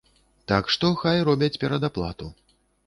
Так што хай робяць перадаплату.